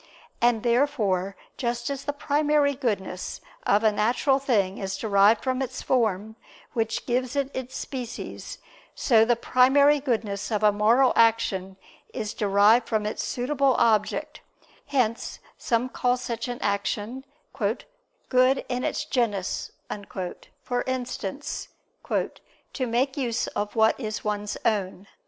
And therefore just as the primary goodness of a natural thing is derived from its form, which gives it its species, so the primary goodness of a moral action is derived from its suitable object: hence some call such an action "good in its genus"; for instance, "to make use of what is one's own."